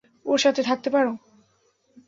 ওর সাথে থাকতে পারো।